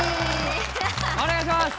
お願いします！